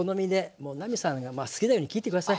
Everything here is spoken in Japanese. もう奈実さんが好きなように切って下さい。